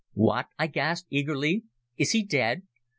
"What!" I gasped eagerly. "Is he dead?"